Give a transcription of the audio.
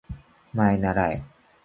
まえならえ